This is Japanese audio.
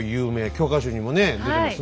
教科書にもね出てますね。